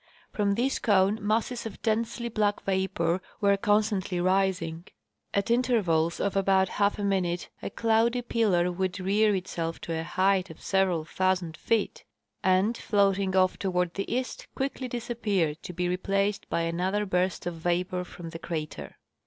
From this cone masses of densely black vapor were constantly rising. At intervals of about half a minute a cloudy pillar would rear itself to a height of several thousand feet and, floating off toward the east, quickly dis appear, to be replaced by another burst of vapor from the crater.